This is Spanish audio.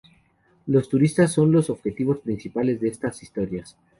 Los turistas son los objetivos principales de estas historias.